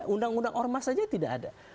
undang undang ormas saja tidak ada